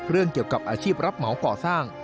เรื่องเกี่ยวกับอาชีพรับเหมาก่อสร้าง